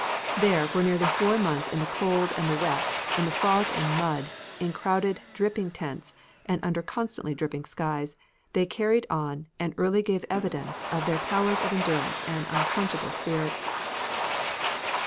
There, for nearly four months in the cold and the wet, in the fog and mud, in crowded, dripping tents and under constantly dripping skies, they carried on and early gave evidence of their powers of endurance and unquenchable spirit.